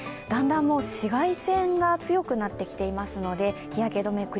だんだん紫外線が強くなってきていますので日焼け止め